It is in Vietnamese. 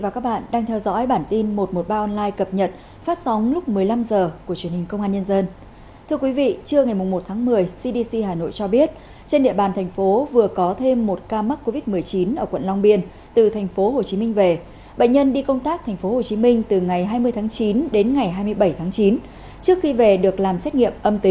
cảm ơn các bạn đã theo dõi